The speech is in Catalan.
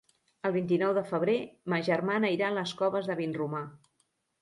El vint-i-nou de febrer ma germana irà a les Coves de Vinromà.